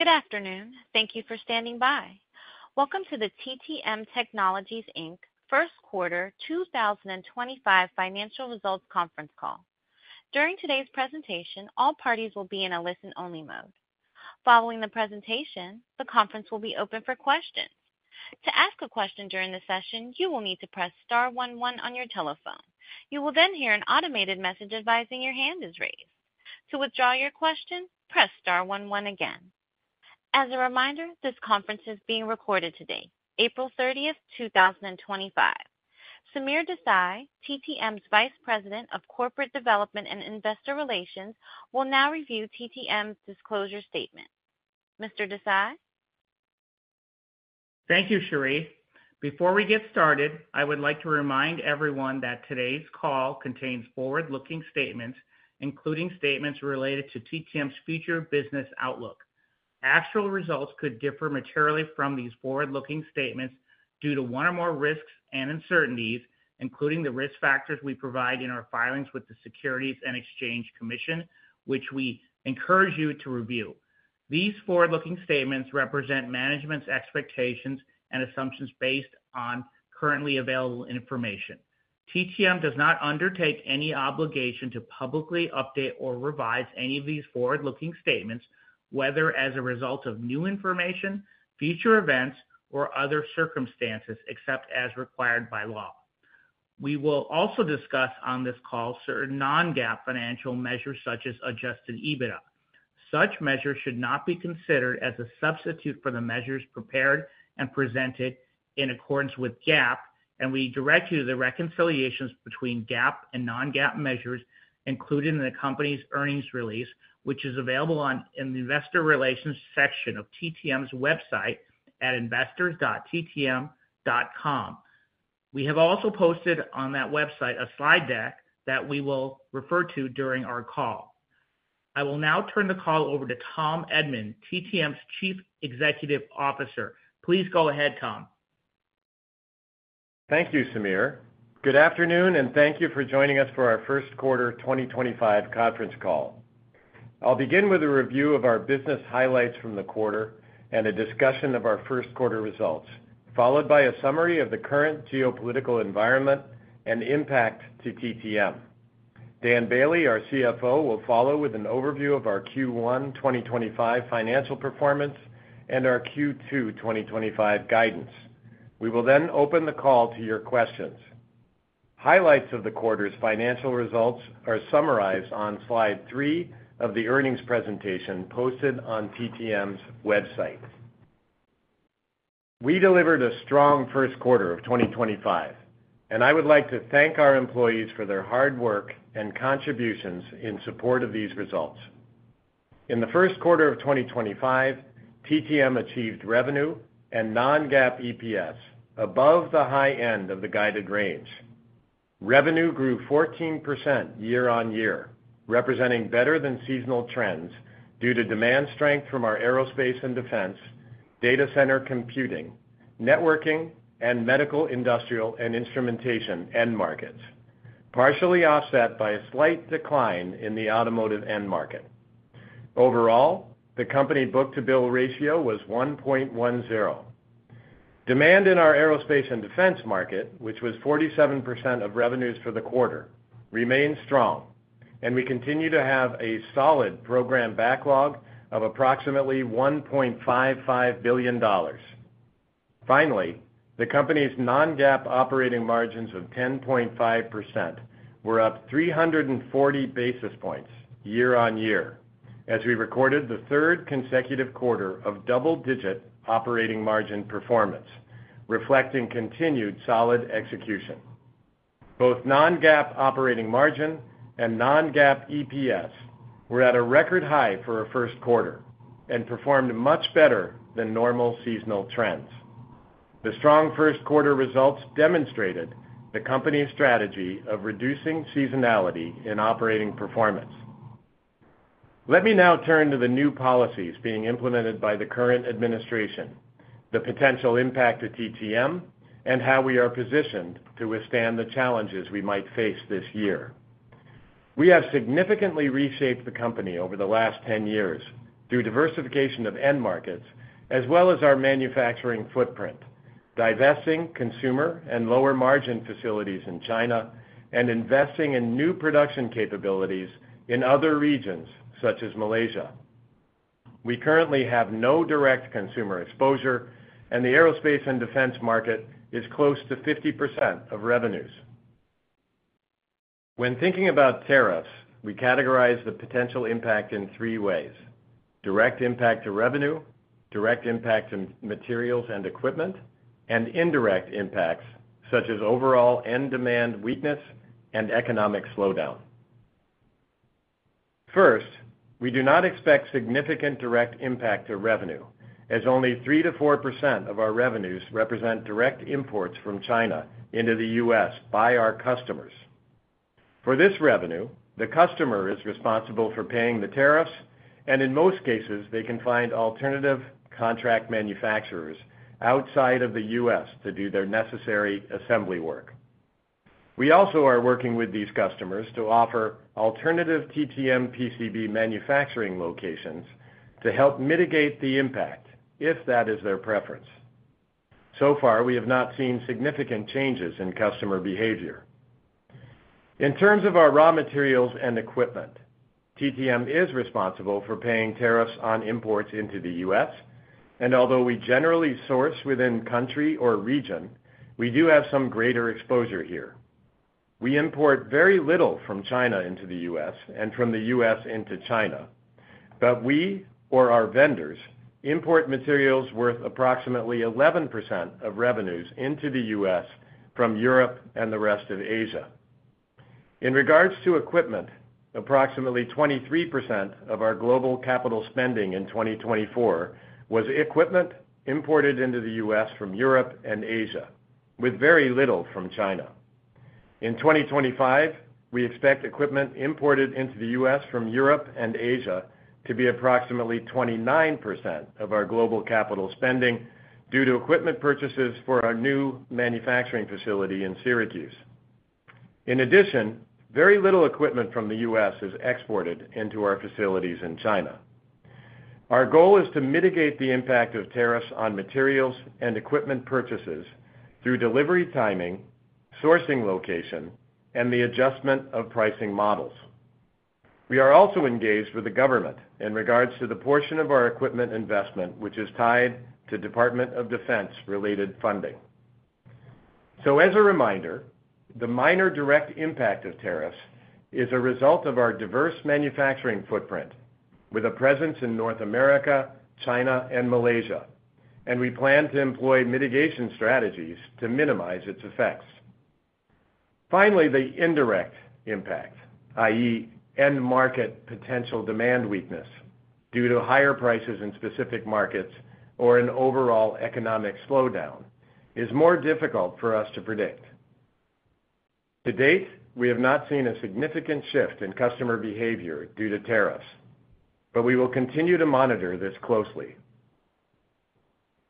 Good afternoon. Thank you for standing by. Welcome to the TTM Technologies First Quarter 2025 Financial Results Conference Call. During today's presentation, all parties will be in a listen-only mode. Following the presentation, the conference will be open for questions. To ask a question during the session, you will need to press star one one on your telephone. You will then hear an automated message advising your hand is raised. To withdraw your question, press star one one again. As a reminder, this conference is being recorded today, April 30th, 2025. Sameer Desai, TTM's Vice President of Corporate Development and Investor Relations, will now review TTM's disclosure statement. Mr. Desai? Thank you, Cherie. Before we get started, I would like to remind everyone that today's call contains forward-looking statements, including statements related to TTM's future business outlook. Actual results could differ materially from these forward-looking statements due to one or more risks and uncertainties, including the risk factors we provide in our filings with the Securities and Exchange Commission, which we encourage you to review. These forward-looking statements represent management's expectations and assumptions based on currently available information. TTM does not undertake any obligation to publicly update or revise any of these forward-looking statements, whether as a result of new information, future events, or other circumstances, except as required by law. We will also discuss on this call certain non-GAAP financial measures such as adjusted EBITDA. Such measures should not be considered as a substitute for the measures prepared and presented in accordance with GAAP, and we direct you to the reconciliations between GAAP and non-GAAP measures included in the company's earnings release, which is available in the Investor Relations section of TTM's website at investors.ttm.com. We have also posted on that website a slide deck that we will refer to during our call. I will now turn the call over to Tom Edman, TTM's Chief Executive Officer. Please go ahead, Tom. Thank you, Sameer. Good afternoon, and thank you for joining us for our First Quarter 2025 Conference Call. I'll begin with a review of our business highlights from the quarter and a discussion of our first quarter results, followed by a summary of the current geopolitical environment and impact to TTM. Dan Boehle, our CFO, will follow with an overview of our Q1 2025 financial performance and our Q2 2025 guidance. We will then open the call to your questions. Highlights of the quarter's financial results are summarized on slide three of the earnings presentation posted on TTM's website. We delivered a strong first quarter of 2025, and I would like to thank our employees for their hard work and contributions in support of these results. In the first quarter of 2025, TTM achieved revenue and non-GAAP EPS above the high end of the guided range. Revenue grew 14% year-on-year, representing better than seasonal trends due to demand strength from our aerospace and defense, data center computing, networking, and medical industrial and instrumentation end markets, partially offset by a slight decline in the automotive end market. Overall, the company book-to-bill ratio was 1.10. Demand in our aerospace and defense market, which was 47% of revenues for the quarter, remained strong, and we continue to have a solid program backlog of approximately $1.55 billion. Finally, the company's non-GAAP operating margins of 10.5% were up 340 basis points year-on-year as we recorded the third consecutive quarter of double-digit operating margin performance, reflecting continued solid execution. Both non-GAAP operating margin and non-GAAP EPS were at a record high for a first quarter and performed much better than normal seasonal trends. The strong first quarter results demonstrated the company's strategy of reducing seasonality in operating performance. Let me now turn to the new policies being implemented by the current administration, the potential impact to TTM, and how we are positioned to withstand the challenges we might face this year. We have significantly reshaped the company over the last 10 years through diversification of end markets, as well as our manufacturing footprint, divesting consumer and lower margin facilities in China, and investing in new production capabilities in other regions such as Malaysia. We currently have no direct consumer exposure, and the aerospace and defense market is close to 50% of revenues. When thinking about tariffs, we categorize the potential impact in three ways: direct impact to revenue, direct impact to materials and equipment, and indirect impacts such as overall end demand weakness and economic slowdown. First, we do not expect significant direct impact to revenue, as only 3%-4% of our revenues represent direct imports from China into the U.S. by our customers. For this revenue, the customer is responsible for paying the tariffs, and in most cases, they can find alternative contract manufacturers outside of the U.S. to do their necessary assembly work. We also are working with these customers to offer alternative TTM PCB manufacturing locations to help mitigate the impact, if that is their preference. So far, we have not seen significant changes in customer behavior. In terms of our raw materials and equipment, TTM is responsible for paying tariffs on imports into the U.S., and although we generally source within country or region, we do have some greater exposure here. We import very little from China into the U.S. and from the U.S. into China, but we or our vendors import materials worth approximately 11% of revenues into the U.S. from Europe and the rest of Asia. In regards to equipment, approximately 23% of our global capital spending in 2024 was equipment imported into the U.S. from Europe and Asia, with very little from China. In 2025, we expect equipment imported into the U.S. from Europe and Asia to be approximately 29% of our global capital spending due to equipment purchases for our new manufacturing facility in Syracuse. In addition, very little equipment from the U.S. is exported into our facilities in China. Our goal is to mitigate the impact of tariffs on materials and equipment purchases through delivery timing, sourcing location, and the adjustment of pricing models. We are also engaged with the government in regards to the portion of our equipment investment which is tied to Department of Defense-related funding. As a reminder, the minor direct impact of tariffs is a result of our diverse manufacturing footprint with a presence in North America, China, and Malaysia, and we plan to employ mitigation strategies to minimize its effects. Finally, the indirect impact, i.e., end market potential demand weakness due to higher prices in specific markets or an overall economic slowdown, is more difficult for us to predict. To date, we have not seen a significant shift in customer behavior due to tariffs, but we will continue to monitor this closely.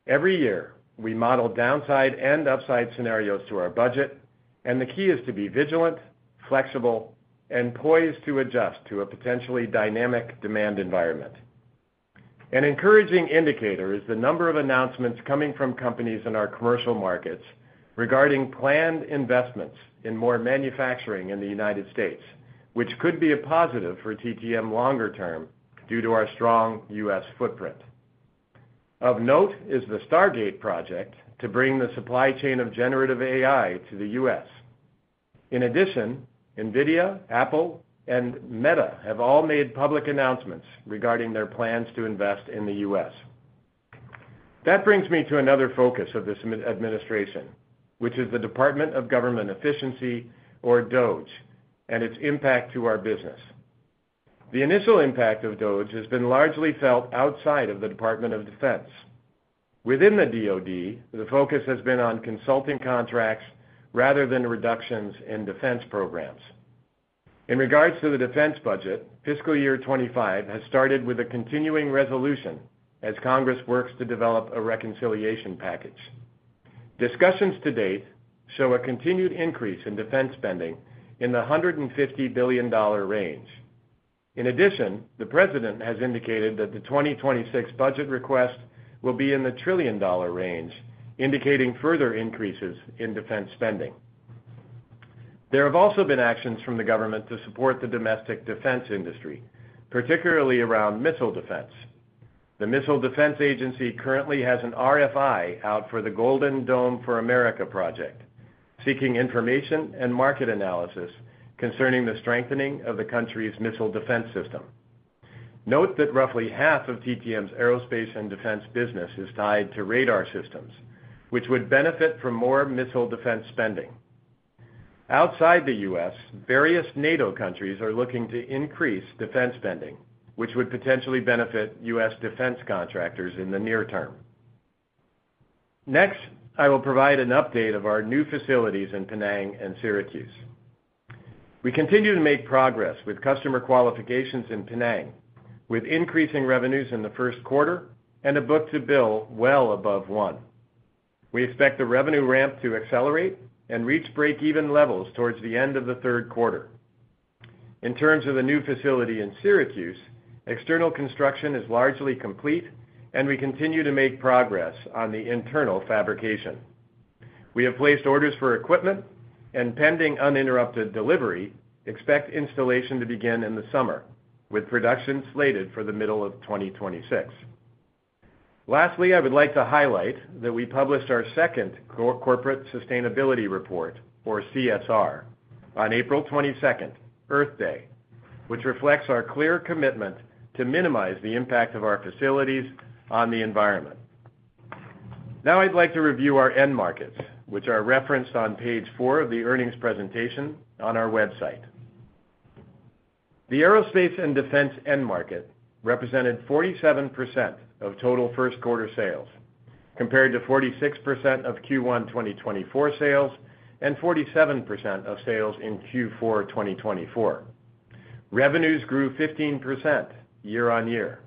Every year, we model downside and upside scenarios to our budget, and the key is to be vigilant, flexible, and poised to adjust to a potentially dynamic demand environment. An encouraging indicator is the number of announcements coming from companies in our commercial markets regarding planned investments in more manufacturing in the U.S., which could be a positive for TTM longer term due to our strong U.S. footprint. Of note is the Stargate Project to bring the supply chain of generative AI to the U.S. In addition, NVIDIA, Apple, and Meta have all made public announcements regarding their plans to invest in the U.S. That brings me to another focus of this administration, which is the Department of Government Efficiency, or DOGE, and its impact to our business. The initial impact of DOGE has been largely felt outside of the Department of Defense. Within the DOD, the focus has been on consulting contracts rather than reductions in defense programs. In regards to the defense budget, fiscal year 2025 has started with a continuing resolution as Congress works to develop a reconciliation package. Discussions to date show a continued increase in defense spending in the $150 billion range. In addition, the President has indicated that the 2026 budget request will be in the trillion dollar range, indicating further increases in defense spending. There have also been actions from the government to support the domestic defense industry, particularly around missile defense. The Missile Defense Agency currently has an RFI out for the Golden Dome for America project, seeking information and market analysis concerning the strengthening of the country's missile defense system. Note that roughly half of TTM's aerospace and defense business is tied to radar systems, which would benefit from more missile defense spending. Outside the U.S., various NATO countries are looking to increase defense spending, which would potentially benefit U.S. defense contractors in the near term. Next, I will provide an update of our new facilities in Penang and Syracuse. We continue to make progress with customer qualifications in Penang, with increasing revenues in the first quarter and a book-to-bill well above one. We expect the revenue ramp to accelerate and reach break-even levels towards the end of the third quarter. In terms of the new facility in Syracuse, external construction is largely complete, and we continue to make progress on the internal fabrication. We have placed orders for equipment, and pending uninterrupted delivery, expect installation to begin in the summer, with production slated for the middle of 2026. Lastly, I would like to highlight that we published our second Corporate Sustainability Report, or CSR, on April 22nd, Earth Day, which reflects our clear commitment to minimize the impact of our facilities on the environment. Now, I'd like to review our end markets, which are referenced on page four of the earnings presentation on our website. The aerospace and defense end market represented 47% of total first quarter sales, compared to 46% of Q1 2024 sales and 47% of sales in Q4 2024. Revenues grew 15% year-on-year.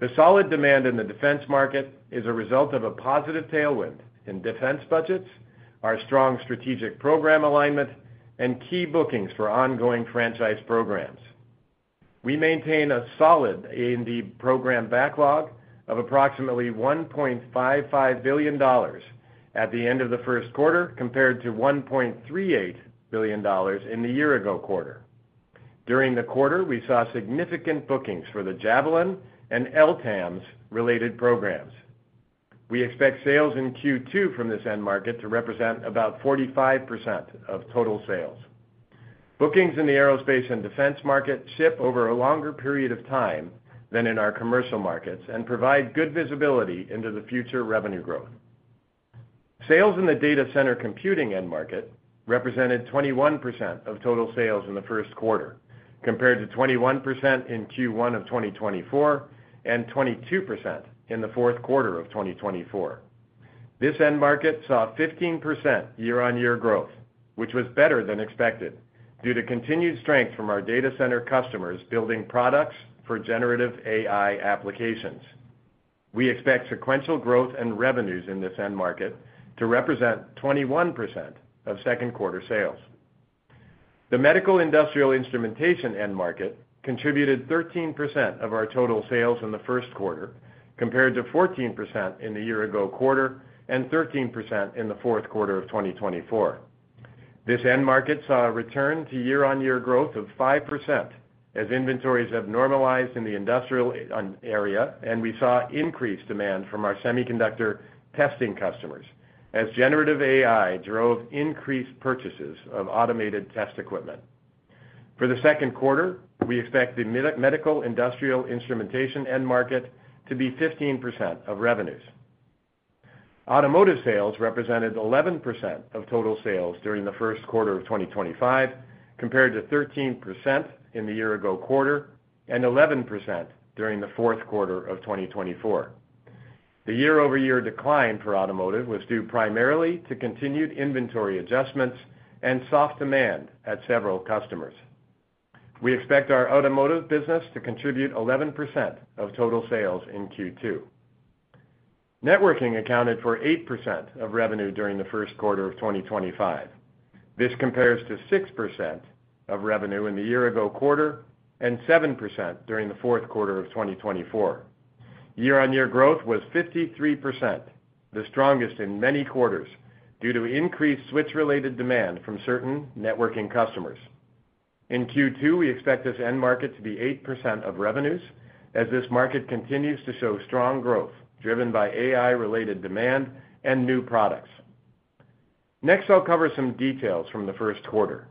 The solid demand in the defense market is a result of a positive tailwind in defense budgets, our strong strategic program alignment, and key bookings for ongoing franchise programs. We maintain a solid A&D program backlog of approximately $1.55 billion at the end of the first quarter, compared to $1.38 billion in the year-ago quarter. During the quarter, we saw significant bookings for the Javelin and LTAMDS related programs. We expect sales in Q2 from this end market to represent about 45% of total sales. Bookings in the aerospace and defense market ship over a longer period of time than in our commercial markets and provide good visibility into the future revenue growth. Sales in the data center computing end market represented 21% of total sales in the first quarter, compared to 21% in Q1 of 2023 and 22% in the fourth quarter of 2023. This end market saw 15% year-on-year growth, which was better than expected due to continued strength from our data center customers building products for generative AI applications. We expect sequential growth and revenues in this end market to represent 21% of second quarter sales. The medical industrial instrumentation end market contributed 13% of our total sales in the first quarter, compared to 14% in the year-ago quarter and 13% in the fourth quarter of 2023. This end market saw a return to year-on-year growth of 5% as inventories have normalized in the industrial area, and we saw increased demand from our semiconductor testing customers as generative AI drove increased purchases of automated test equipment. For the second quarter, we expect the medical industrial instrumentation end market to be 15% of revenues. Automotive sales represented 11% of total sales during the first quarter of 2025, compared to 13% in the year-ago quarter and 11% during the fourth quarter of 2024. The year-over-year decline for automotive was due primarily to continued inventory adjustments and soft demand at several customers. We expect our automotive business to contribute 11% of total sales in Q2. Networking accounted for 8% of revenue during the first quarter of 2025. This compares to 6% of revenue in the year-ago quarter and 7% during the fourth quarter of 2024. Year-on-year growth was 53%, the strongest in many quarters due to increased switch-related demand from certain networking customers. In Q2, we expect this end market to be 8% of revenues as this market continues to show strong growth driven by AI-related demand and new products. Next, I'll cover some details from the first quarter.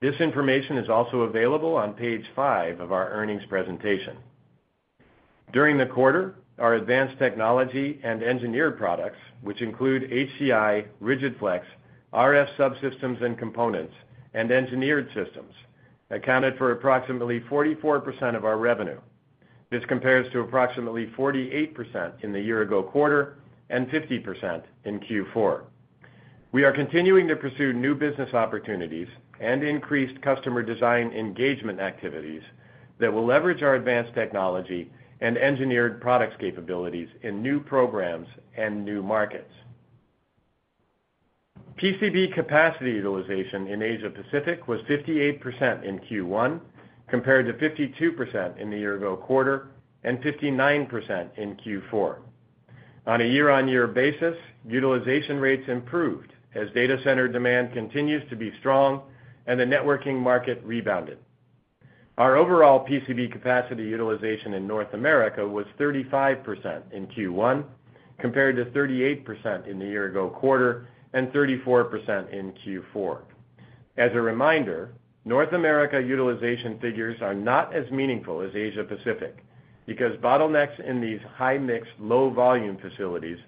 This information is also available on page five of our earnings presentation. During the quarter, our advanced technology and engineered products, which include HDI, Rigid-Flex, RF subsystems and components, and engineered systems, accounted for approximately 44% of our revenue. This compares to approximately 48% in the year-ago quarter and 50% in Q4. We are continuing to pursue new business opportunities and increased customer design engagement activities that will leverage our advanced technology and engineered products capabilities in new programs and new markets. PCB capacity utilization in Asia-Pacific was 58% in Q1, compared to 52% in the year-ago quarter and 59% in Q4. On a year-on-year basis, utilization rates improved as data center demand continues to be strong and the networking market rebounded. Our overall PCB capacity utilization in North America was 35% in Q1, compared to 38% in the year-ago quarter and 34% in Q4. As a reminder, North America utilization figures are not as meaningful as Asia-Pacific because bottlenecks in these high-mix, low-volume facilities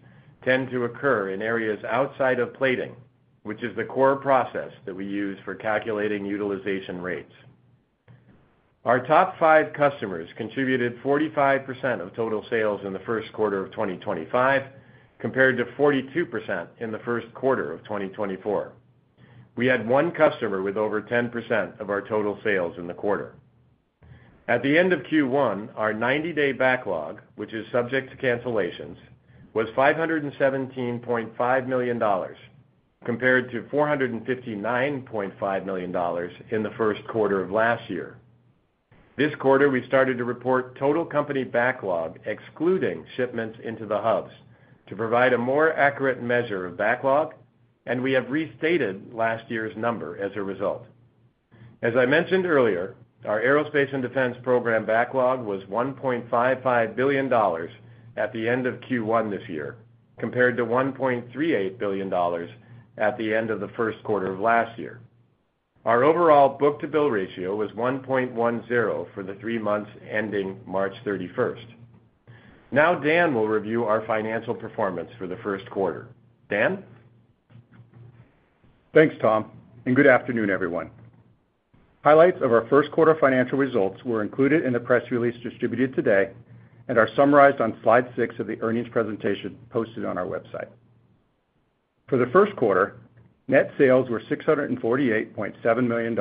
tend to occur in areas outside of plating, which is the core process that we use for calculating utilization rates. Our top five customers contributed 45% of total sales in the first quarter of 2025, compared to 42% in the first quarter of 2024. We had one customer with over 10% of our total sales in the quarter. At the end of Q1, our 90-day backlog, which is subject to cancellations, was $517.5 million, compared to $459.5 million in the first quarter of last year. This quarter, we started to report total company backlog, excluding shipments into the hubs, to provide a more accurate measure of backlog, and we have restated last year's number as a result. As I mentioned earlier, our aerospace and defense program backlog was $1.55 billion at the end of Q1 this year, compared to $1.38 billion at the end of the first quarter of last year. Our overall book-to-bill ratio was 1.10 for the three months ending March 31. Now, Dan will review our financial performance for the first quarter. Dan? Thanks, Tom, and good afternoon, everyone. Highlights of our first quarter financial results were included in the press release distributed today and are summarized on slide six of the earnings presentation posted on our website. For the first quarter, net sales were $648.7 million,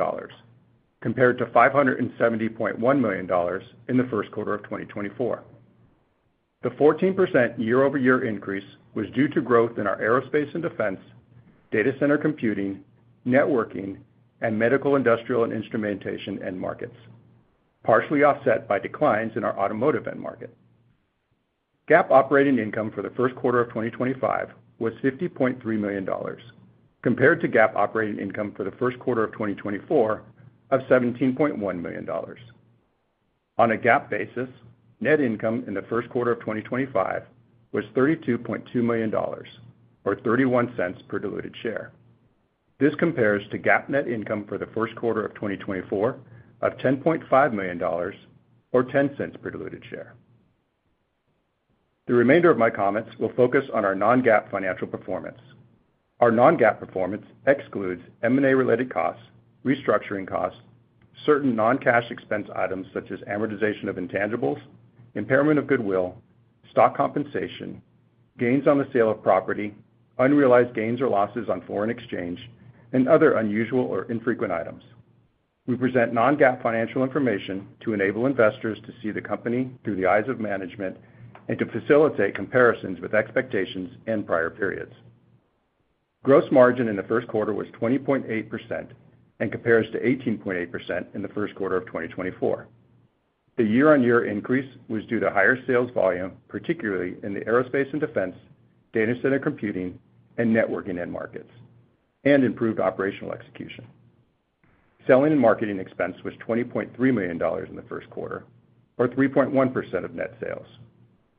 compared to $570.1 million in the first quarter of 2024. The 14% year-over-year increase was due to growth in our aerospace and defense, data center computing, networking, and medical industrial and instrumentation end markets, partially offset by declines in our automotive end market. GAAP operating income for the first quarter of 2025 was $50.3 million, compared to GAAP operating income for the first quarter of 2024 of $17.1 million. On a GAAP basis, net income in the first quarter of 2025 was $32.2 million, or $0.31 per diluted share. This compares to GAAP net income for the first quarter of 2024 of $10.5 million, or $0.10 per diluted share. The remainder of my comments will focus on our non-GAAP financial performance. Our non-GAAP performance excludes M&A-related costs, restructuring costs, certain non-cash expense items such as amortization of intangibles, impairment of goodwill, stock compensation, gains on the sale of property, unrealized gains or losses on foreign exchange, and other unusual or infrequent items. We present non-GAAP financial information to enable investors to see the company through the eyes of management and to facilitate comparisons with expectations in prior periods. Gross margin in the first quarter was 20.8% and compares to 18.8% in the first quarter of 2024. The year-on-year increase was due to higher sales volume, particularly in the aerospace and defense, data center computing, and networking end markets, and improved operational execution. Selling and marketing expense was $20.3 million in the first quarter, or 3.1% of net sales,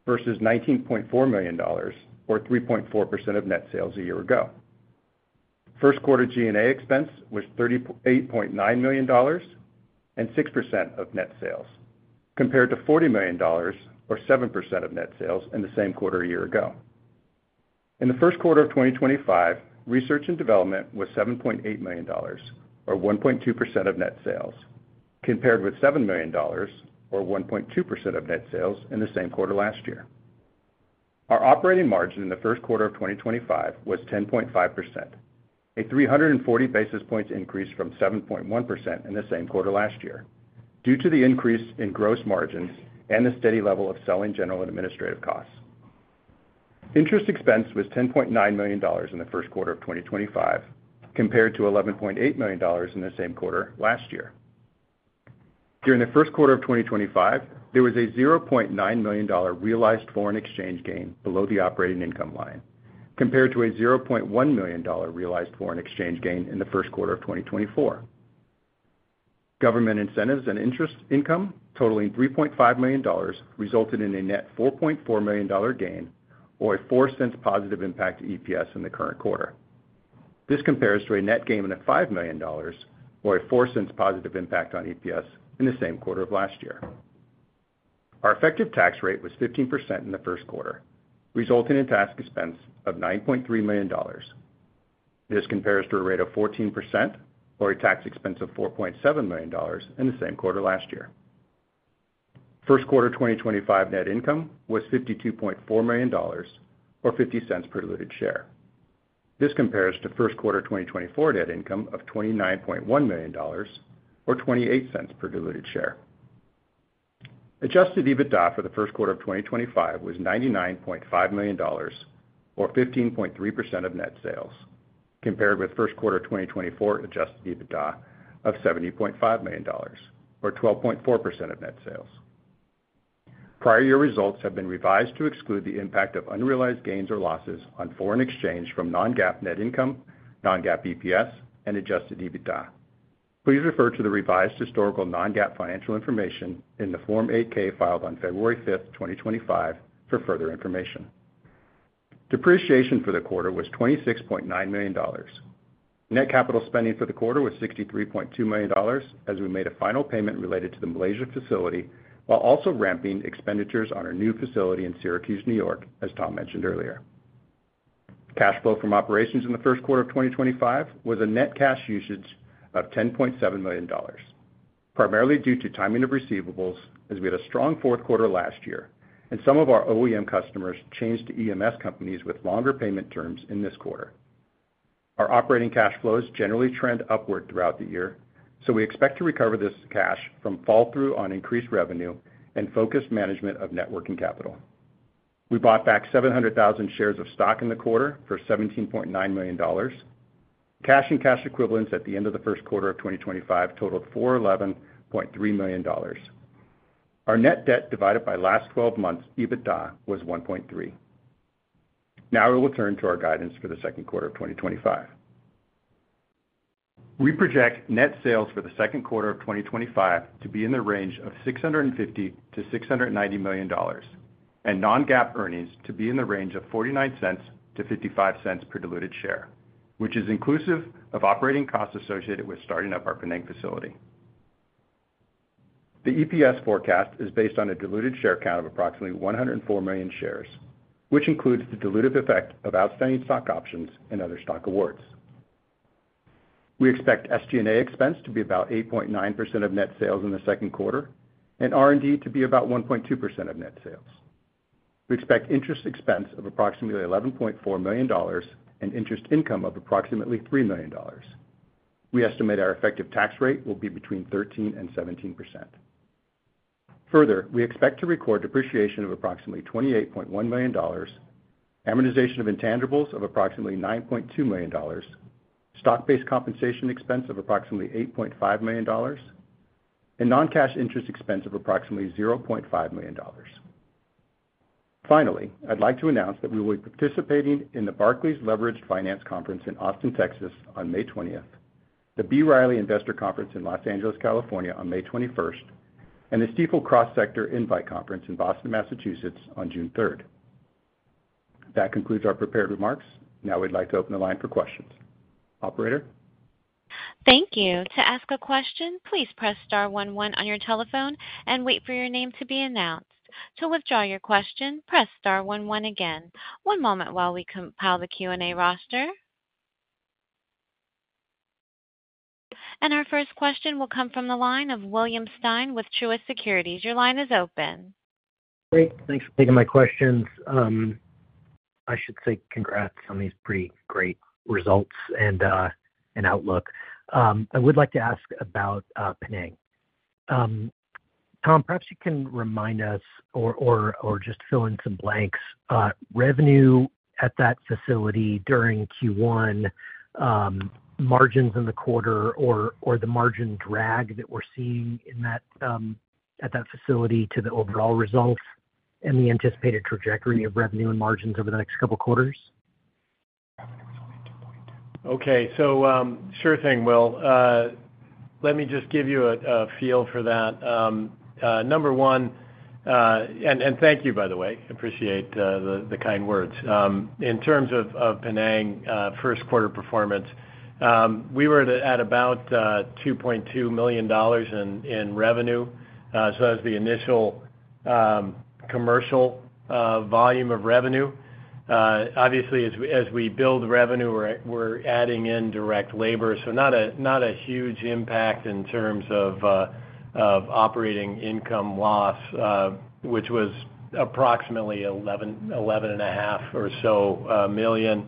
versus $19.4 million, or 3.4% of net sales a year ago. First quarter G&A expense was $38.9 million and 6% of net sales, compared to $40 million, or 7% of net sales in the same quarter a year ago. In the first quarter of 2025, research and development was $7.8 million, or 1.2% of net sales, compared with $7 million, or 1.2% of net sales in the same quarter last year. Our operating margin in the first quarter of 2025 was 10.5%, a 340 basis points increase from 7.1% in the same quarter last year, due to the increase in gross margins and the steady level of selling general administrative costs. Interest expense was $10.9 million in the first quarter of 2025, compared to $11.8 million in the same quarter last year. During the first quarter of 2025, there was a $0.9 million realized foreign exchange gain below the operating income line, compared to a $0.1 million realized foreign exchange gain in the first quarter of 2024. Government incentives and interest income totaling $3.5 million resulted in a net $4.4 million gain, or a $0.04 positive impact EPS in the current quarter. This compares to a net gain of $5 million, or a $0.04 positive impact on EPS in the same quarter of last year. Our effective tax rate was 15% in the first quarter, resulting in tax expense of $9.3 million. This compares to a rate of 14%, or a tax expense of $4.7 million in the same quarter last year. First quarter 2025 net income was $52.4 million, or $0.50 per diluted share. This compares to first quarter 2024 net income of $29.1 million, or $0.28 per diluted share. Adjusted EBITDA for the first quarter of 2025 was $99.5 million, or 15.3% of net sales, compared with first quarter 2024 adjusted EBITDA of $70.5 million, or 12.4% of net sales. Prior year results have been revised to exclude the impact of unrealized gains or losses on foreign exchange from non-GAAP net income, non-GAAP EPS, and adjusted EBITDA. Please refer to the revised historical non-GAAP financial information in the Form 8K filed on February 5, 2025, for further information. Depreciation for the quarter was $26.9 million. Net capital spending for the quarter was $63.2 million as we made a final payment related to the Malaysia facility while also ramping expenditures on our new facility in Syracuse, New York, as Tom mentioned earlier. Cash flow from operations in the first quarter of 2025 was a net cash usage of $10.7 million, primarily due to timing of receivables as we had a strong fourth quarter last year and some of our OEM customers changed to EMS companies with longer payment terms in this quarter. Our operating cash flows generally trend upward throughout the year, so we expect to recover this cash from fall-through on increased revenue and focused management of net working capital. We bought back 700,000 shares of stock in the quarter for $17.9 million. Cash and cash equivalents at the end of the first quarter of 2025 totaled $411.3 million. Our net debt divided by last 12 months' EBITDA was 1.3. Now we will turn to our guidance for the second quarter of 2025. We project net sales for the second quarter of 2025 to be in the range of $650 million-$690 million and non-GAAP earnings to be in the range of $0.49-$0.55 per diluted share, which is inclusive of operating costs associated with starting up our financing facility. The EPS forecast is based on a diluted share count of approximately 104 million shares, which includes the dilutive effect of outstanding stock options and other stock awards. We expect SG&A expense to be about 8.9% of net sales in the second quarter and R&D to be about 1.2% of net sales. We expect interest expense of approximately $11.4 million and interest income of approximately $3 million. We estimate our effective tax rate will be between 13% and 17%. Further, we expect to record depreciation of approximately $28.1 million, amortization of intangibles of approximately $9.2 million, stock-based compensation expense of approximately $8.5 million, and non-cash interest expense of approximately $0.5 million. Finally, I'd like to announce that we will be participating in the Barclays Leveraged Finance Conference in Austin, Texas, on May 20th, the B. Riley Investor Conference in Los Angeles, California, on May 21st, and the Stifel Cross Sector Insight Conference in Boston, Massachusetts, on June 3rd. That concludes our prepared remarks. Now we'd like to open the line for questions. Operator? Thank you. To ask a question, please press star one one on your telephone and wait for your name to be announced. To withdraw your question, press star one one again. One moment while we compile the Q&A roster. Our first question will come from the line of William Stein with Truist Securities. Your line is open. Great. Thanks for taking my questions. I should say congrats on these pretty great results and outlook. I would like to ask about Penang. Tom, perhaps you can remind us or just fill in some blanks. Revenue at that facility during Q1, margins in the quarter, or the margin drag that we're seeing at that facility to the overall results and the anticipated trajectory of revenue and margins over the next couple of quarters? Okay. Sure thing, Will. Let me just give you a feel for that. Number one, and thank you, by the way. Appreciate the kind words. In terms of Penang first quarter performance, we were at about $2.2 million in revenue. That was the initial commercial volume of revenue. Obviously, as we build revenue, we're adding in direct labor, so not a huge impact in terms of operating income loss, which was approximately $11.5 million or so.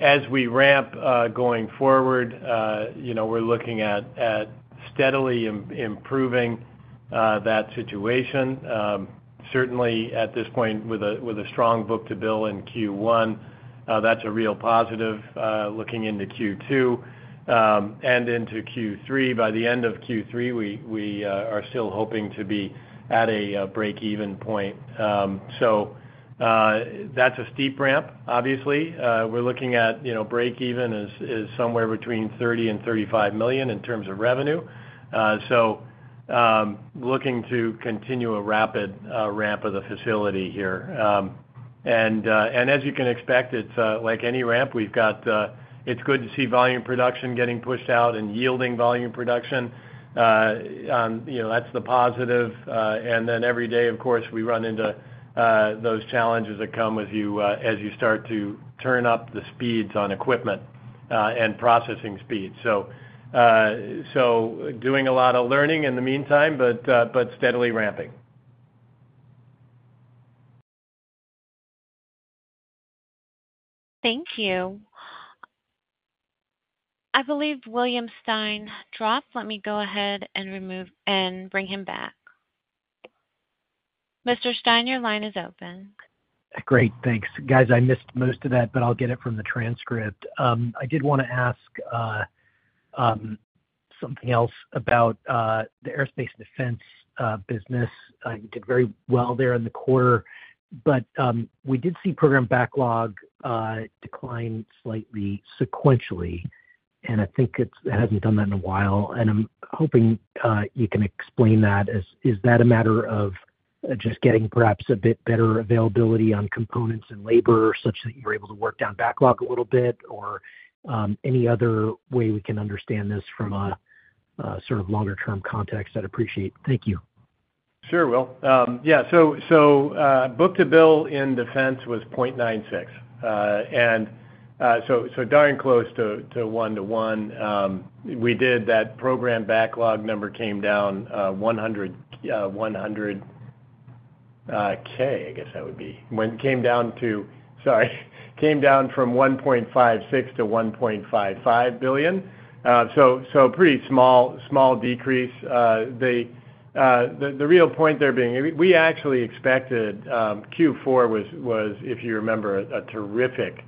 As we ramp going forward, we're looking at steadily improving that situation. Certainly, at this point, with a strong book-to-bill in Q1, that's a real positive. Looking into Q2 and into Q3, by the end of Q3, we are still hoping to be at a break-even point. That is a steep ramp, obviously. We're looking at break-even is somewhere between $30 million-$35 million in terms of revenue. Looking to continue a rapid ramp of the facility here. As you can expect, it's like any ramp. It's good to see volume production getting pushed out and yielding volume production. That's the positive. Every day, of course, we run into those challenges that come as you start to turn up the speeds on equipment and processing speeds. Doing a lot of learning in the meantime, but steadily ramping. Thank you. I believe William Stein dropped. Let me go ahead and bring him back. Mr. Stein, your line is open. Great. Thanks. Guys, I missed most of that, but I'll get it from the transcript. I did want to ask something else about the aerospace and defense business. You did very well there in the quarter, but we did see program backlog decline slightly sequentially, and I think it hasn't done that in a while. I am hoping you can explain that. Is that a matter of just getting perhaps a bit better availability on components and labor such that you're able to work down backlog a little bit, or any other way we can understand this from a sort of longer-term context? I'd appreciate it. Thank you. Sure, Will. Yeah. Book-to-bill in defense was 0.96. Darn close to 1 to 1. We did that program backlog number came down $100,000, I guess that would be. Came down from $1.56 billion to $1.55 billion. Pretty small decrease. The real point there being we actually expected Q4 was, if you remember, a terrific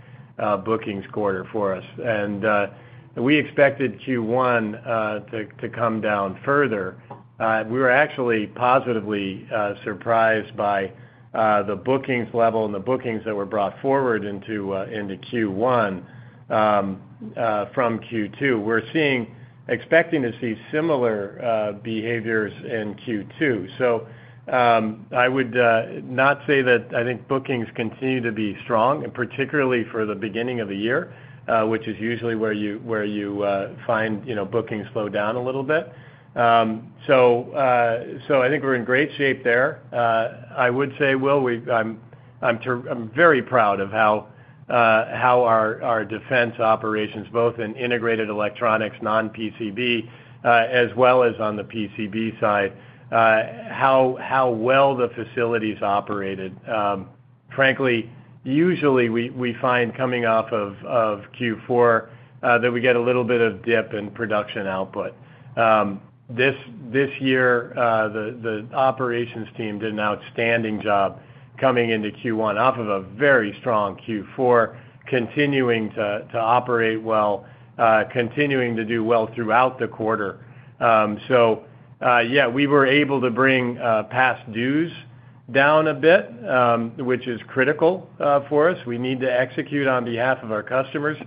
bookings quarter for us. We expected Q1 to come down further. We were actually positively surprised by the bookings level and the bookings that were brought forward into Q1 from Q2. We're expecting to see similar behaviors in Q2. I would not say that I think bookings continue to be strong, particularly for the beginning of the year, which is usually where you find bookings slow down a little bit. I think we're in great shape there. I would say, Will, I'm very proud of how our defense operations, both in integrated electronics, non-PCB, as well as on the PCB side, how well the facilities operated. Frankly, usually we find coming off of Q4 that we get a little bit of dip in production output. This year, the operations team did an outstanding job coming into Q1 off of a very strong Q4, continuing to operate well, continuing to do well throughout the quarter. Yeah, we were able to bring past dues down a bit, which is critical for us. We need to execute on behalf of our customers.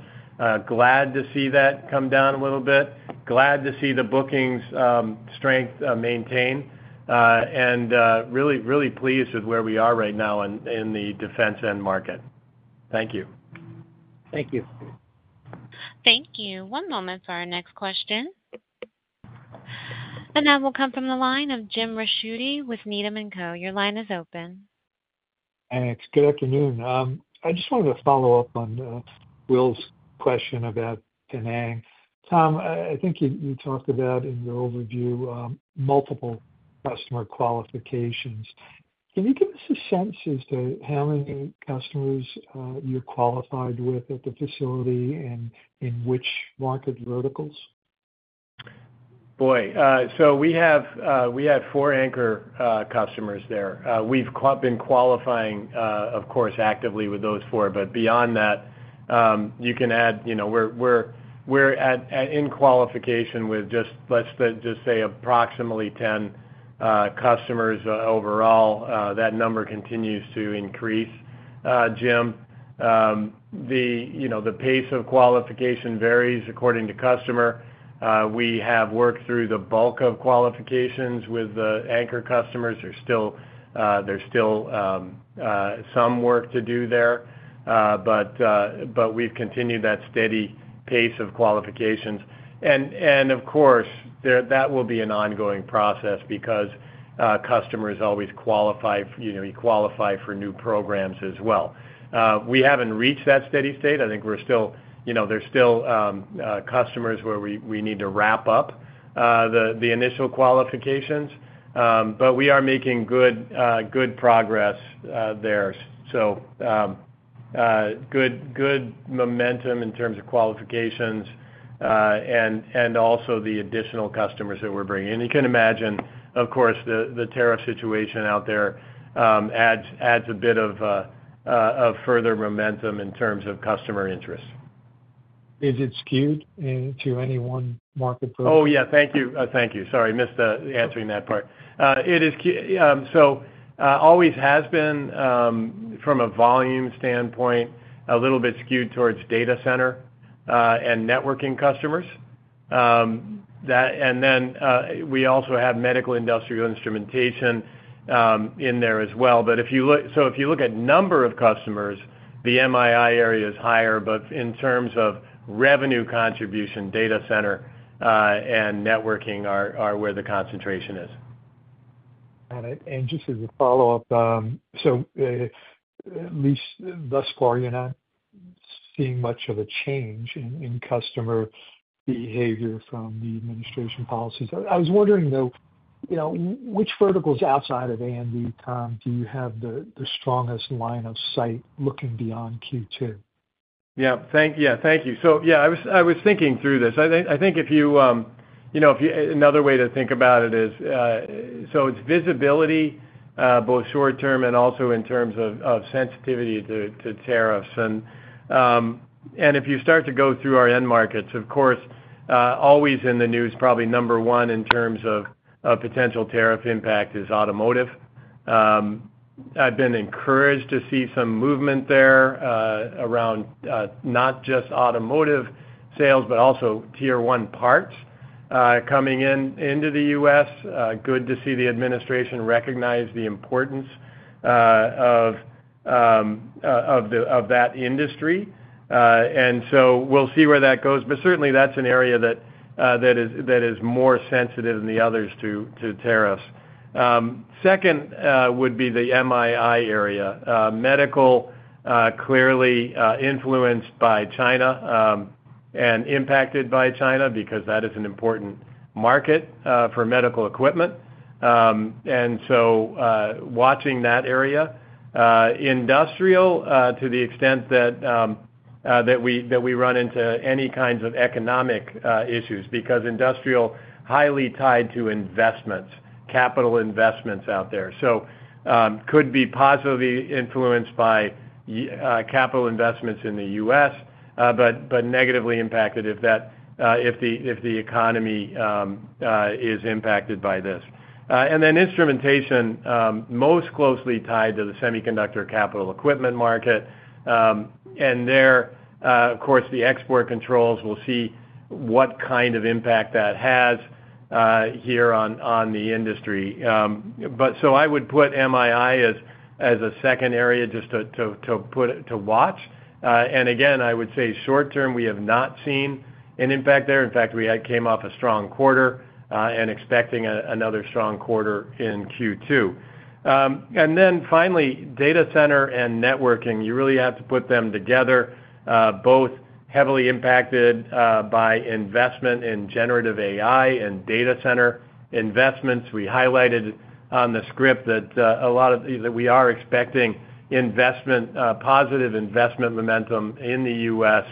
Glad to see that come down a little bit. Glad to see the bookings strength maintain. Really pleased with where we are right now in the defense end market. Thank you. Thank you. Thank you. One moment for our next question. Now we'll come from the line of Jim Ricchiuti with Needham & Company. Your line is open. Thanks. Good afternoon. I just wanted to follow up on Will's question about Penang. Tom, I think you talked about in your overview multiple customer qualifications. Can you give us a sense as to how many customers you're qualified with at the facility and in which market verticals? Boy. We have four anchor customers there. We've been qualifying, of course, actively with those four, but beyond that, you can add we're in qualification with, let's just say, approximately 10 customers overall. That number continues to increase, Jim. The pace of qualification varies according to customer. We have worked through the bulk of qualifications with the anchor customers. There's still some work to do there, but we've continued that steady pace of qualifications. Of course, that will be an ongoing process because customers always qualify for new programs as well. We haven't reached that steady state. I think there's still customers where we need to wrap up the initial qualifications, but we are making good progress there. Good momentum in terms of qualifications and also the additional customers that we're bringing. You can imagine, of course, the tariff situation out there adds a bit of further momentum in terms of customer interest. Is it skewed to any one market? Oh, yeah. Thank you. Thank you. Sorry, I missed answering that part. Always has been, from a volume standpoint, a little bit skewed towards data center and networking customers. And then we also have medical industrial instrumentation in there as well. If you look at number of customers, the MII area is higher, but in terms of revenue contribution, data center and networking are where the concentration is. Got it. Just as a follow-up, at least thus far, you're not seeing much of a change in customer behavior from the administration policies. I was wondering, though, which verticals outside of A&D, Tom, do you have the strongest line of sight looking beyond Q2? Yeah. Thank you. Yeah, I was thinking through this. I think another way to think about it is it's visibility, both short-term and also in terms of sensitivity to tariffs. If you start to go through our end markets, of course, always in the news, probably number one in terms of potential tariff impact is automotive. I've been encouraged to see some movement there around not just automotive sales, but also tier one parts coming into the U.S. Good to see the administration recognize the importance of that industry. We'll see where that goes. Certainly, that's an area that is more sensitive than the others to tariffs. Second would be the MII area. Medical, clearly influenced by China and impacted by China because that is an important market for medical equipment. Watching that area. Industrial, to the extent that we run into any kinds of economic issues because industrial is highly tied to investments, capital investments out there. Could be positively influenced by capital investments in the U.S., but negatively impacted if the economy is impacted by this. Instrumentation, most closely tied to the semiconductor capital equipment market. There, of course, the export controls. We'll see what kind of impact that has here on the industry. I would put MII as a second area just to watch. Again, I would say short-term, we have not seen an impact there. In fact, we came off a strong quarter and expecting another strong quarter in Q2. Finally, data center and networking. You really have to put them together. Both heavily impacted by investment in generative AI and data center investments. We highlighted on the script that a lot of we are expecting positive investment momentum in the U.S.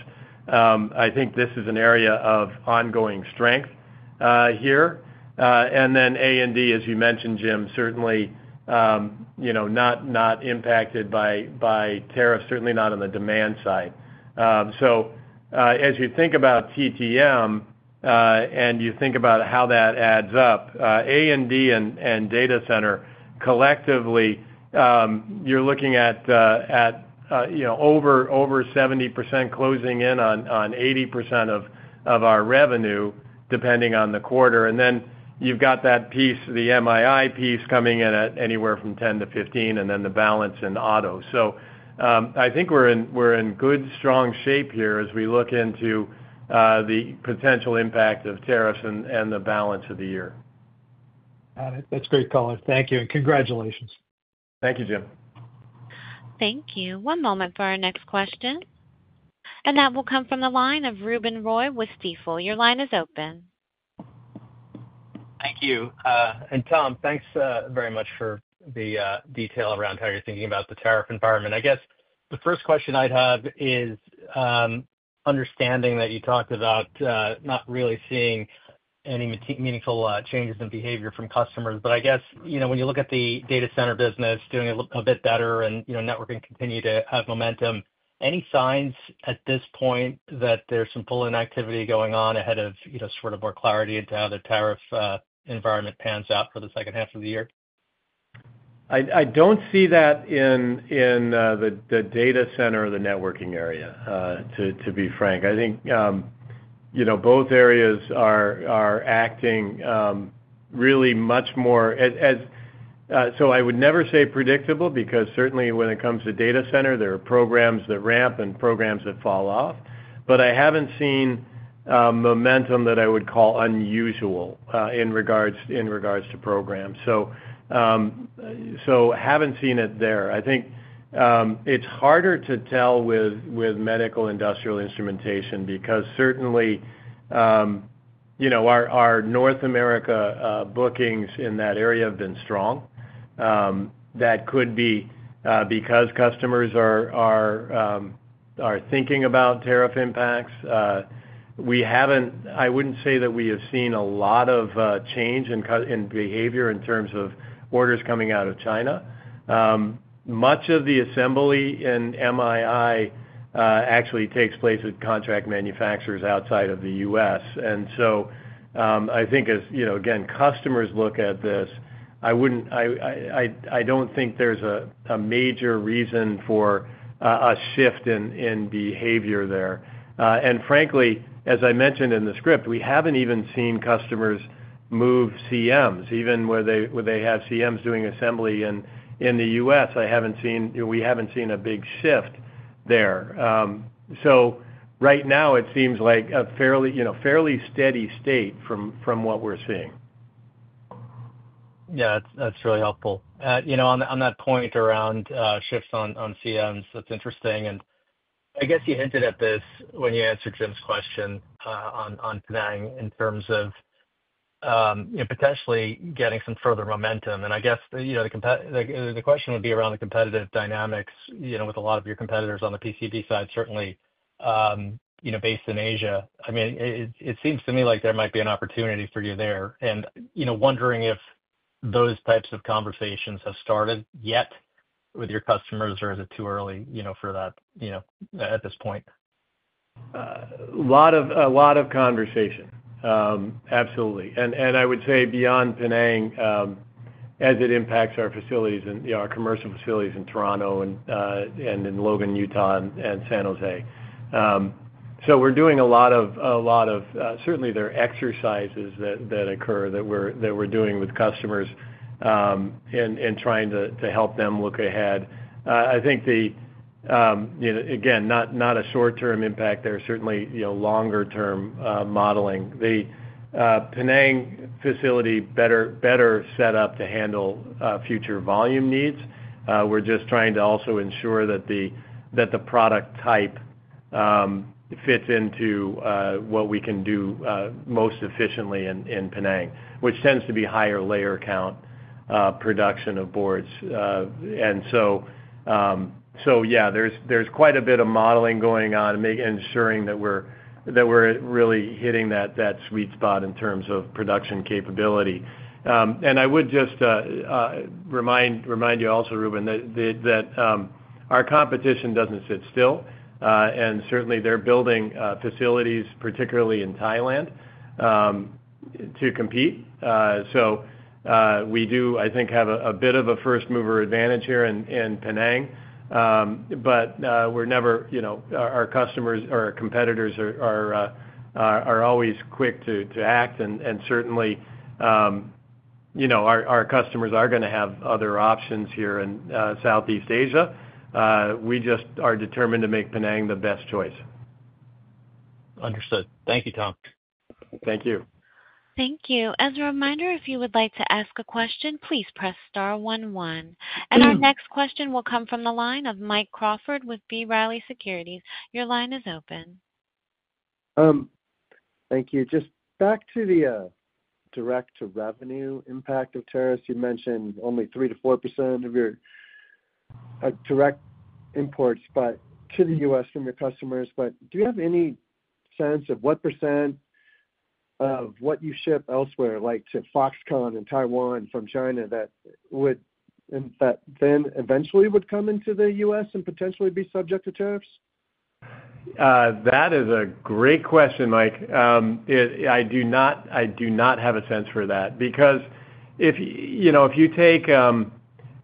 I think this is an area of ongoing strength here. A&D, as you mentioned, Jim, certainly not impacted by tariffs, certainly not on the demand side. As you think about TTM and you think about how that adds up, A&D and data center collectively, you are looking at over 70% closing in on 80% of our revenue depending on the quarter. You have that piece, the MII piece coming in at anywhere from 10%-15%, and then the balance in auto. I think we are in good, strong shape here as we look into the potential impact of tariffs and the balance of the year. Got it. That is great color. Thank you. Congratulations. Thank you, Jim. Thank you. One moment for our next question. That will come from the line of Ruben Roy with Stifel. Your line is open. Thank you. Tom, thanks very much for the detail around how you're thinking about the tariff environment. I guess the first question I'd have is understanding that you talked about not really seeing any meaningful changes in behavior from customers. I guess when you look at the data center business doing a bit better and networking continue to have momentum, any signs at this point that there's some pulling activity going on ahead of sort of more clarity into how the tariff environment pans out for the second half of the year? I don't see that in the data center or the networking area, to be frank. I think both areas are acting really much more so I would never say predictable because certainly when it comes to data center, there are programs that ramp and programs that fall off. I have not seen momentum that I would call unusual in regards to programs. I have not seen it there. I think it is harder to tell with medical industrial instrumentation because certainly our North America bookings in that area have been strong. That could be because customers are thinking about tariff impacts. I would not say that we have seen a lot of change in behavior in terms of orders coming out of China. Much of the assembly in MII actually takes place with contract manufacturers outside of the U.S. I think, again, customers look at this. I do not think there is a major reason for a shift in behavior there. Frankly, as I mentioned in the script, we have not even seen customers move CMs. Even where they have CMs doing assembly in the U.S., we have not seen a big shift there. Right now, it seems like a fairly steady state from what we're seeing. Yeah. That's really helpful. On that point around shifts on CMs, that's interesting. I guess you hinted at this when you answered Jim's question on Penang in terms of potentially getting some further momentum. I guess the question would be around the competitive dynamics with a lot of your competitors on the PCB side, certainly based in Asia. I mean, it seems to me like there might be an opportunity for you there. Wondering if those types of conversations have started yet with your customers or is it too early for that at this point? A lot of conversation. Absolutely. I would say beyond Penang as it impacts our facilities and our commercial facilities in Toronto and in Logan, Utah, and San Jose. We're doing a lot of, certainly, there are exercises that occur that we're doing with customers and trying to help them look ahead. I think, again, not a short-term impact there. Certainly longer-term modeling. The Penang facility is better set up to handle future volume needs. We're just trying to also ensure that the product type fits into what we can do most efficiently in Penang, which tends to be higher layer count production of boards. Yeah, there's quite a bit of modeling going on and ensuring that we're really hitting that sweet spot in terms of production capability. I would just remind you also, Ruben, that our competition doesn't sit still. Certainly, they're building facilities, particularly in Thailand, to compete. We do, I think, have a bit of a first-mover advantage here in Penang. Our customers or our competitors are always quick to act. Certainly, our customers are going to have other options here in Southeast Asia. We just are determined to make Penang the best choice. Understood. Thank you, Tom. Thank you. Thank you. As a reminder, if you would like to ask a question, please press star one one. Our next question will come from the line of Mike Crawford with B. Riley Securities. Your line is open. Thank you. Just back to the direct-to-revenue impact of tariffs. You mentioned only 3%-4% of your direct imports to the U.S. from your customers. Do you have any sense of what percent of what you ship elsewhere, like to Foxconn and Taiwan from China, that then eventually would come into the U.S. and potentially be subject to tariffs? That is a great question, Mike. I do not have a sense for that. Because if you take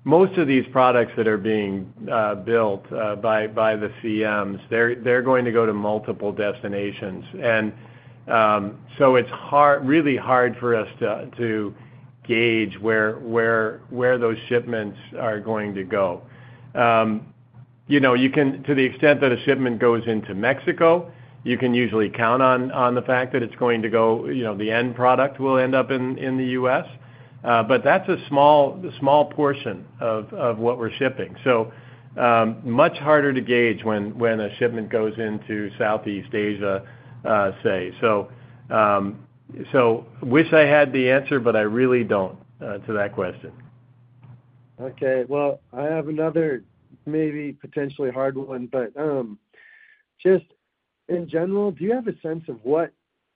most of these products that are being built by the CMs, they're going to go to multiple destinations. It is really hard for us to gauge where those shipments are going to go. To the extent that a shipment goes into Mexico, you can usually count on the fact that the end product will end up in the U.S. That is a small portion of what we're shipping. It is much harder to gauge when a shipment goes into Southeast Asia, say. I wish I had the answer, but I really do not to that question. Okay. I have another maybe potentially hard one. Just in general, do you have a sense of what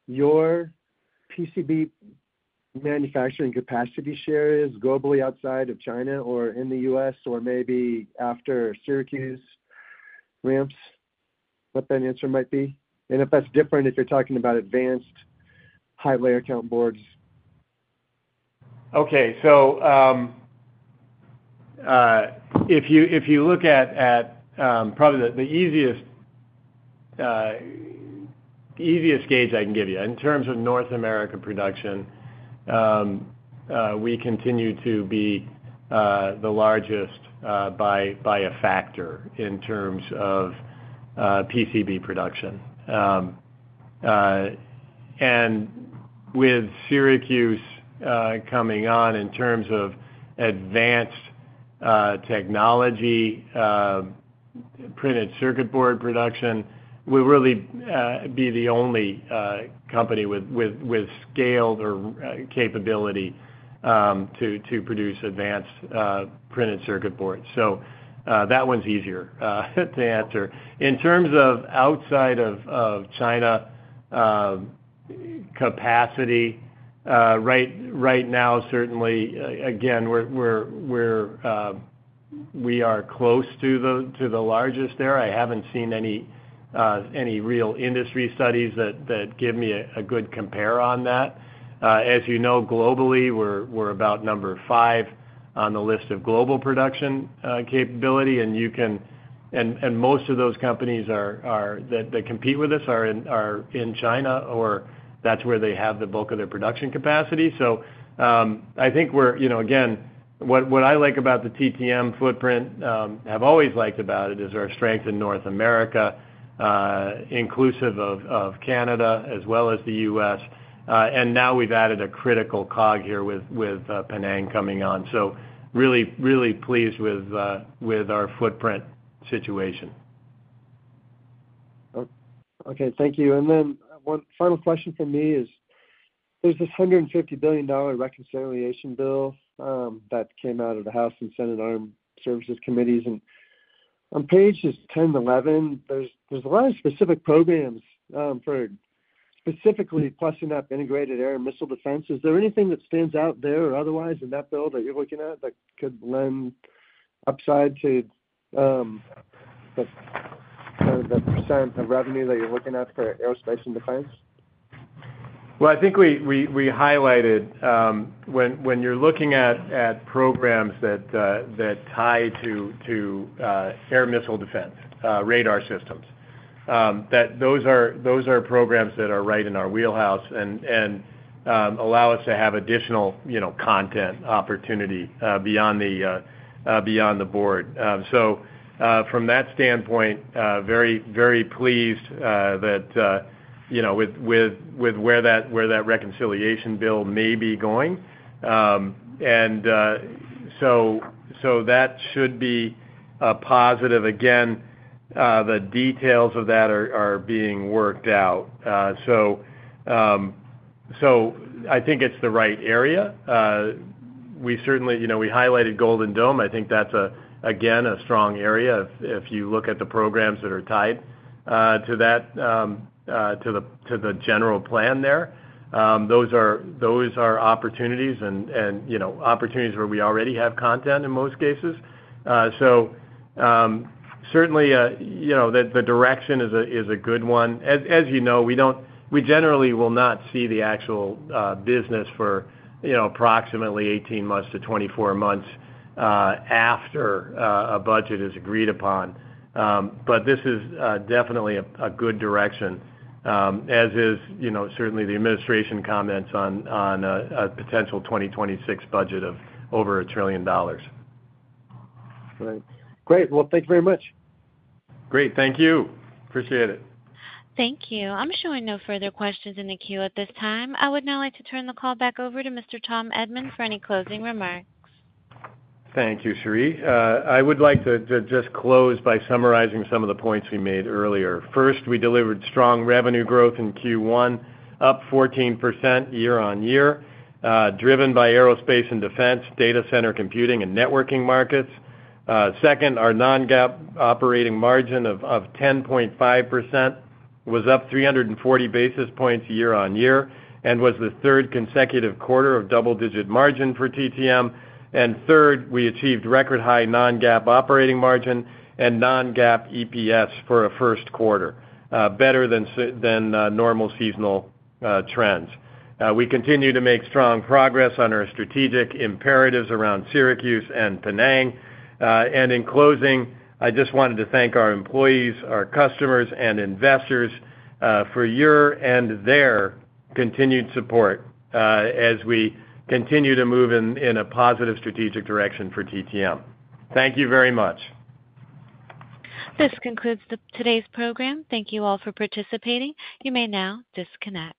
your PCB manufacturing capacity share is globally outside of China or in the U.S. or maybe after Syracuse ramps? What that answer might be. If that's different, if you're talking about advanced high-layer count boards. Okay. If you look at probably the easiest gauge I can give you in terms of North America production, we continue to be the largest by a factor in terms of PCB production. With Syracuse coming on in terms of advanced technology printed circuit board production, we'll really be the only company with scale or capability to produce advanced printed circuit boards. That one's easier to answer. In terms of outside of China capacity, right now, certainly, again, we are close to the largest there. I haven't seen any real industry studies that give me a good compare on that. As you know, globally, we're about number five on the list of global production capability. Most of those companies that compete with us are in China or that is where they have the bulk of their production capacity. I think what I like about the TTM footprint, have always liked about it, is our strength in North America, inclusive of Canada as well as the U.S. Now we have added a critical cog here with Penang coming on. Really pleased with our footprint situation. Thank you. One final question for me is there is this $150 billion reconciliation bill that came out of the House and Senate Armed Services Committees. On page 10, 11, there is a lot of specific programs for specifically plussing up integrated air and missile defense. Is there anything that stands out there or otherwise in that bill that you're looking at that could lend upside to the % of revenue that you're looking at for aerospace and defense? I think we highlighted when you're looking at programs that tie to air missile defense, radar systems, that those are programs that are right in our wheelhouse and allow us to have additional content opportunity beyond the board. From that standpoint, very pleased with where that reconciliation bill may be going. That should be a positive. Again, the details of that are being worked out. I think it's the right area. We certainly highlighted Golden Dome. I think that's, again, a strong area if you look at the programs that are tied to that, to the general plan there. Those are opportunities and opportunities where we already have content in most cases. Certainly, the direction is a good one. As you know, we generally will not see the actual business for approximately 18-24 months after a budget is agreed upon. This is definitely a good direction, as is certainly the administration comments on a potential 2026 budget of over a trillion dollars. Right. Great. Thank you very much. Great. Thank you. Appreciate it. Thank you. I'm showing no further questions in the queue at this time. I would now like to turn the call back over to Mr. Tom Edman for any closing remarks. Thank you, Cherie. I would like to just close by summarizing some of the points we made earlier. First, we delivered strong revenue growth in Q1, up 14% year-on-year, driven by aerospace and defense, data center computing, and networking markets. Second, our non-GAAP operating margin of 10.5% was up 340 basis points year-on-year and was the third consecutive quarter of double-digit margin for TTM. Third, we achieved record-high non-GAAP operating margin and non-GAAP EPS for a first quarter, better than normal seasonal trends. We continue to make strong progress on our strategic imperatives around Syracuse and Penang. In closing, I just wanted to thank our employees, our customers, and investors for your and their continued support as we continue to move in a positive strategic direction for TTM. Thank you very much. This concludes today's program. Thank you all for participating. You may now disconnect.